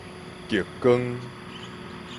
極光